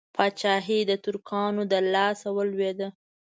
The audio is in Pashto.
پاچهي د ترکانو د لاسه ولوېده.